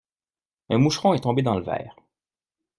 Un moucheron est tombé dans le verre.